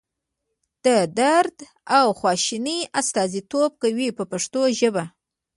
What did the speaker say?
د درد او خواشینۍ استازیتوب کوي په پښتو ژبه.